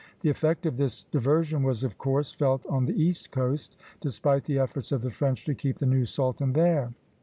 The effect of this diversion was of course felt on the east coast, despite the efforts of the French to keep the new sultan there.